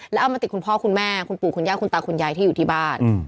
แล้วเอามาติดคุณพ่อคุณแม่คุณปู่คุณย่าคุณตาคุณยายที่อยู่ที่บ้าน